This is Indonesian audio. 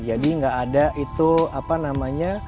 jadi nggak ada itu apa namanya